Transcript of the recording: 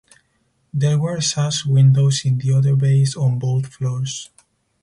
There were sash windows in the other bays on both floors.